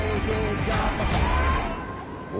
お。